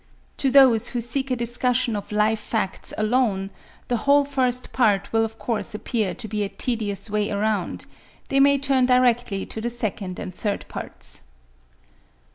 To those who seek a discussion of life facts alone, the whole first part will of course appear to be a tedious way around; they may turn directly to the second and third parts.